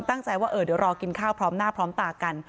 ตั้งใจว่าเดี๋ยวรอกินข้าวพร้อมหน้าพร้อมตากัน